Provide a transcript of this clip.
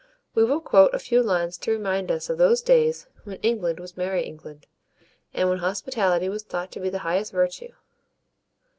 We will quote a few lines to remind us of those days when "England was merry England," and when hospitality was thought to be the highest virtue.